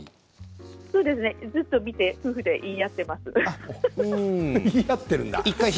ずっと見て夫婦で言い合っています。